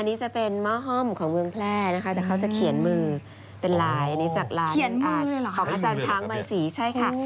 อันนี้จะเป็นหม้อห้อมของเมืองแพร่นะคะแต่เขาจะเขียนมือเป็นลายอันนี้จากลายของอาจารย์ช้างใบสีใช่ค่ะ